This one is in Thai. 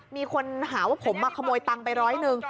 มีคนหาว่าผมมาขโมยตังค์ไปร้อยหนึ่ง